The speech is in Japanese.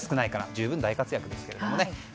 十分大活躍ですけどね。